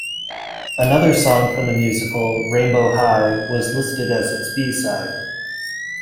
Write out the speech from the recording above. Another song from the musical, "Rainbow High", was listed as its B-side.